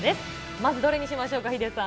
まず、どれにしましょうか、ヒデさん。